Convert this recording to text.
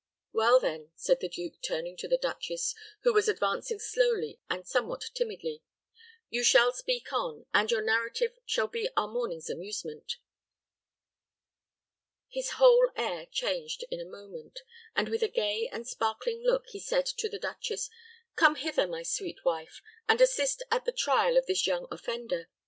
"Well, then," said the duke, turning to the duchess, who was advancing slowly and somewhat timidly, "you shall speak on, and your narrative shall be our morning's amusement." His whole air changed in a moment; and, with a gay and sparkling look, he said to the duchess, "Come hither, my sweet wife, and assist at the trial of this young offender.